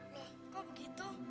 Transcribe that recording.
loh kok begitu